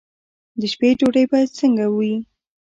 د شپې ډوډۍ باید څنګه وي؟